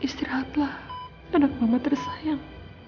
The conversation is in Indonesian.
istirahatlah anak mama tersayang